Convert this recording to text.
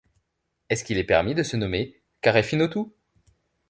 Est-ce qu’il est permis de se nommer Carèfinotu?